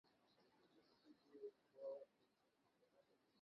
নিজের ঘর পরিষ্কার করতে পারো?